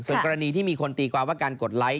ส่วนกรณีที่มีคนตีความว่าการกดไลค์